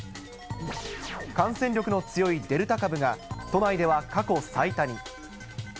感染力の強いデルタ株が都内では過去最多に。